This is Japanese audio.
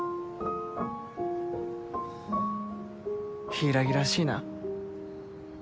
柊らしいな。